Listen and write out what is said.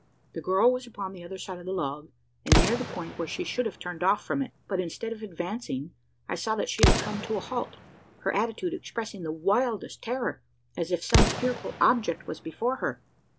The girl was upon the other side of the log, and near the point where she should have turned off from it; but, instead of advancing, I saw that she had come to a halt her attitude expressing the wildest terror, as if some fearful object was before her!